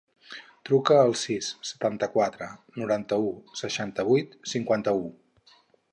Truca al sis, setanta-quatre, noranta-u, seixanta-vuit, cinquanta-u.